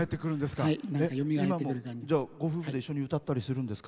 今もご夫婦で一緒に歌ったりするんですか？